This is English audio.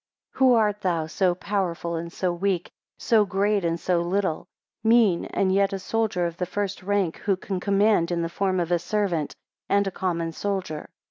4 Who art thou, so powerful, and so weak, so great and so little; mean, and yet a soldier of the first rank, who can command in the form of a servant and a common soldier?